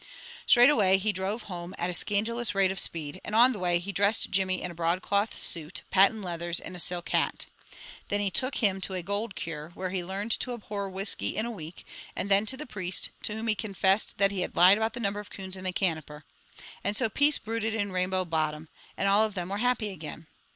Straightway he drove home at a scandalous rate of speed, and on the way, he dressed Jimmy in a broadcloth suit, patent leathers, and a silk hat. Then he took him to a gold cure, where he learned to abhor whiskey in a week, and then to the priest, to whom he confessed that he had lied about the number of coons in the Canoper. And so peace brooded in Rainbow Bottom, and all of them were happy again.